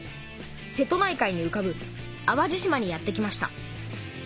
瀬戸内海にうかぶ淡路島にやって来ました。